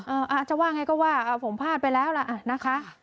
อาจจะว่าไงก็ว่าผมพลาดไปแล้วล่ะนะคะ